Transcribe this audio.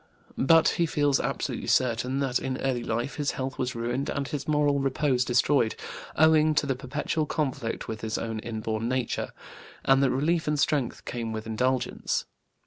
But he feels absolutely certain that in early life his health was ruined and his moral repose destroyed owing to the perpetual conflict with his own inborn nature, and that relief and strength came with indulgence.